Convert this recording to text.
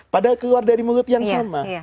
padahal keluar dari mulut yang sama